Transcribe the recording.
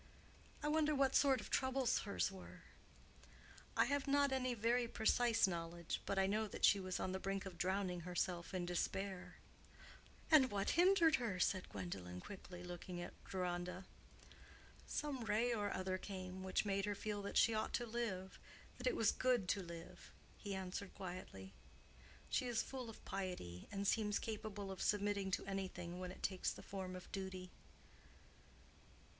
"I wonder what sort of trouble hers were?" "I have not any very precise knowledge. But I know that she was on the brink of drowning herself in despair." "And what hindered her?" said Gwendolen, quickly, looking at Deronda. "Some ray or other came—which made her feel that she ought to live—that it was good to live," he answered, quietly. "She is full of piety, and seems capable of submitting to anything when it takes the form of duty."